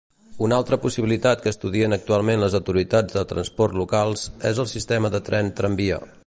Una altra possibilitat que estudien actualment les autoritats de transport locals és el sistema de tren tramvia.